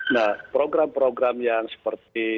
nah program program yang seperti